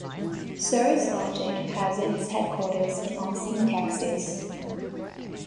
Cirrus Logic has its headquarters in Austin, Texas.